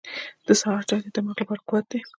• د سهار چای د دماغ لپاره قوت دی.